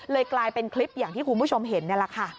กลายเป็นคลิปอย่างที่คุณผู้ชมเห็นนี่แหละค่ะ